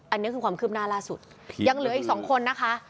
อันนี้คือความคืบหน้าล่าสุดยังเหลืออีกสองคนนะคะ